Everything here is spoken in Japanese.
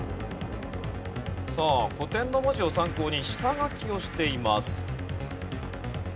さあ古典の文字を参考に下書きをしています。